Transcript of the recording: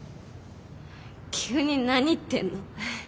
急に何言ってんの？